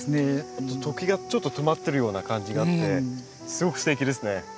時がちょっと止まってるような感じがあってすごくステキですね。